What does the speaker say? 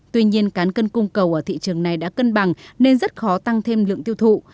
tuy nhiên cán cân cung cầu ở thị trường này đã cân bằng nên rất khó tăng thêm lượng tiêu thụ